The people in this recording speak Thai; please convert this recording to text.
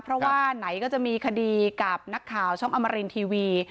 เพราะว่าไหนก็จะมีคดีกับนักข่าวช่องอมรินทีวี